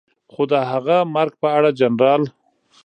خو د هغه مرګ په اړه جنرال